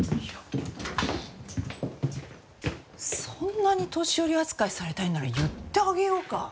そんなに年寄り扱いされたいなら言ってあげようか？